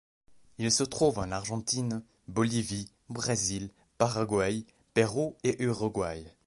Il se trouve en Argentine, Bolivie, Brésil, Paraguay, Pérou et Uruguay.